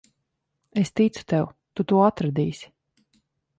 Es ticu tev. Tu to atradīsi.